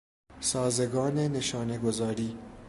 سازگان نشانه گذاری